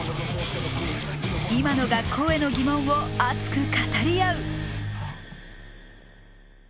今の学校への疑問を熱く語り合う！